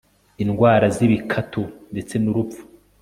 indwara zibikatu ndetse nurupfu